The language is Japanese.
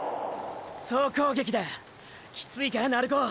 総攻撃だキツイか鳴子！！